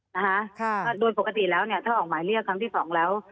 นะคะก็โดยปกติแล้วเนี่ยถ้าออกหมายเรียกครั้งที่สองแล้ว